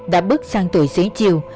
đã bước sang tuổi dưới chiều